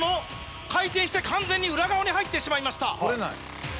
回転して完全に裏側に入ってしまいました。